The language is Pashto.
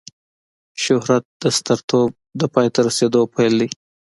شهرت د سترتوب د پای ته رسېدلو پیل دی.